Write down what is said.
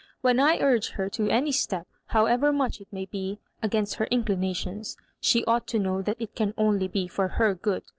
When I urge her to any step, however much it may be against her inclinations, she ought to know that it can only be for her good.